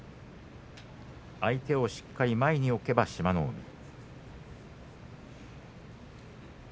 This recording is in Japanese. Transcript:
相手をしっかり前に置けば志摩ノ海。